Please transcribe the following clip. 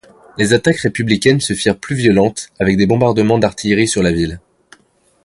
Les attaques républicaines se firent plus violentes, avec des bombardements d'artillerie sur la ville.